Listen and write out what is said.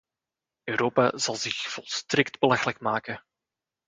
Europa zal zich volstrekt belachelijk maken.